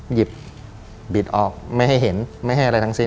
หยิบบิดออกไม่ให้เห็นไม่ให้อะไรทั้งสิ้น